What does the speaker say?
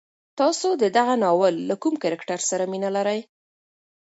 تاسو د دغه ناول له کوم کرکټر سره مینه لرئ؟